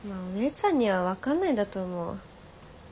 お姉ちゃんには分かんないんだと思う。